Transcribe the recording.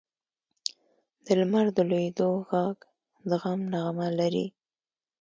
د لمر د لوېدو ږغ د غم نغمه لري.